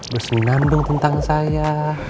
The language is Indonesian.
bersenam dong tentang saya